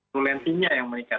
rulensinya yang meningkat